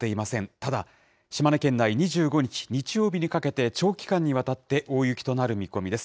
ただ、島根県内、２５日日曜日にかけて、長期間にわたって大雪となる見込みです。